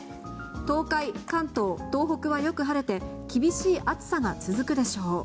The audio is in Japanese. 東海、関東、東北はよく晴れて厳しい暑さが続くでしょう。